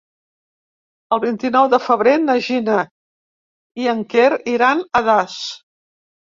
El vint-i-nou de febrer na Gina i en Quer iran a Das.